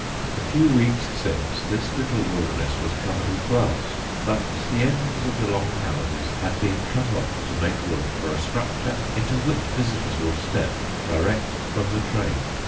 A few weeks since, this little wilderness was covered with glass, but the ends of the long "houses" have been cut off to make room for a structure into which visitors will step direct from the train.